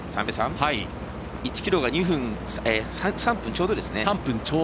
１ｋｍが３分ちょうどですね。